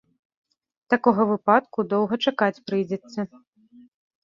Такога выпадку доўга чакаць прыйдзецца.